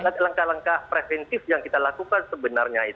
itu langkah langkah preventif yang kita lakukan sebenarnya itu